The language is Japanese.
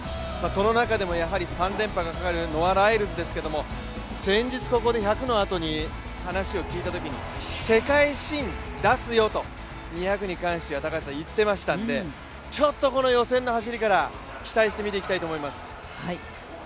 その中でもやはり３連覇がかかるノア・ライルズですけども先日ここで１００のあとに話を聞いたときに世界新、出すよと、２００に関してはいっていましたんでちょっと予選の走りから期待して見ていきたいと思います。